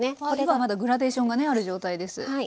今はまだグラデーションがねある状態です。